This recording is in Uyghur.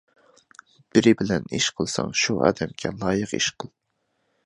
بىرى بىلەن ئىش قىلساڭ شۇ ئادەمگە لايىق ئىش قىل.